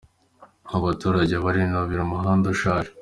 Abaturage barinubira umuhanda ushaje